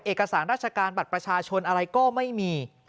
เอกสารราชการบัตรประชาชนอะไรก็ไม่มี